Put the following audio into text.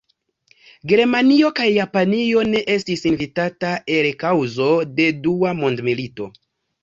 Germanio kaj Japanio ne estis invitata el kaŭzo de Dua mondmilito.